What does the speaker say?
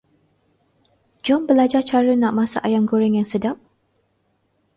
Jom berlajar cara nak masak ayam goreng yang sedap.